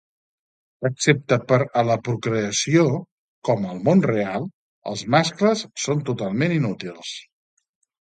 Excepte per a la procreació, com al món real, els mascles són totalment inútils.